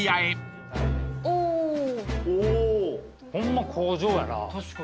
ホンマ工場やな。